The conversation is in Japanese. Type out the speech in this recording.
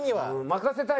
任せたい。